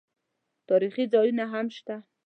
تاریخي ځایونه هم شته.